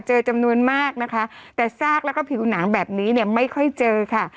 เจอจำนวนมากนะคะแต่ซากแล้วก็ผิวหนังแบบนี้เนี่ยไม่ค่อยเจอค่ะ